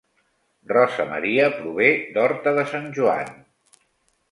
Rosa Maria prové d'Horta de Sant Joan